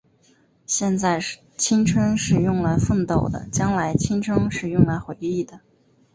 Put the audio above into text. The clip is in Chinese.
现在，青春是用来奋斗的；将来，青春是用来回忆的。